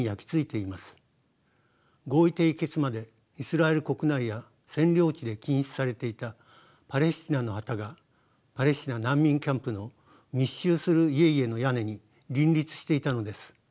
合意締結までイスラエル国内や占領地で禁止されていたパレスチナの旗がパレスチナ難民キャンプの密集する家々の屋根に林立していたのです。